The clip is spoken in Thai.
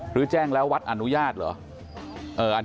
หรือแจ้งแล้ววัดอนุญาตเหรอ